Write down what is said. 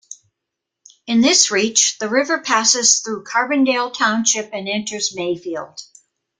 In this reach, the river passes through Carbondale Township and enters Mayfield.